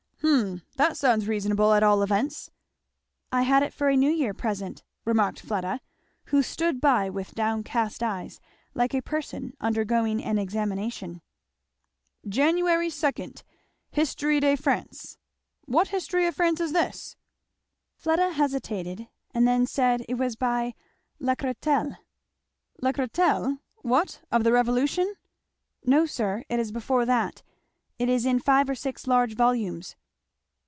] "Hum that sounds reasonable, at all events." "I had it for a New Year present," remarked Fleda, who stood by with down cast eyes, like a person undergoing an examination. 'Jan. 2. Histoire de France.' "What history of France is this?" Fleda hesitated and then said it was by Lacretelle. "Lacretelle? what, of the Revolution?" "No sir, it is before that; it is in five or six large volumes."